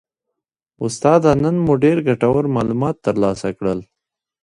استاده نن مو ډیر ګټور معلومات ترلاسه کړل